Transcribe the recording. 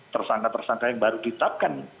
tersangka tersangka yang baru ditetapkan